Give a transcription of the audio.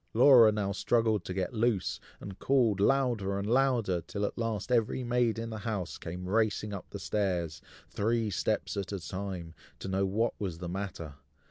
Laura now struggled to get loose, and called louder and louder, till at last every maid in the house came racing up stairs, three steps at a time, to know what was the matter.